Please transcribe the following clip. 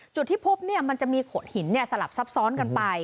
จุดที่พบมันจะมีโขดหินสลับซับซ้อนกันไป